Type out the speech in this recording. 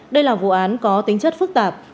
đây là vụ án có tính chất phức tạp